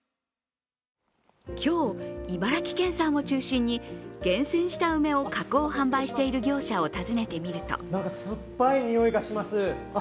今日、茨城県産を中心に厳選した梅を加工・販売している業者を訪ねてみると酸っぱい匂いがします。